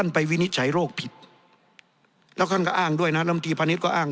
ไปวินิจฉัยโรคผิดแล้วท่านก็อ้างด้วยนะลำตีพาณิชย์ก็อ้าง